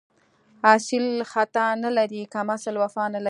اصیل خطا نه لري، کم اصل وفا نه لري